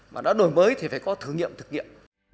mà đã đổi mới thì phải có thử nghiệm thực nghiệm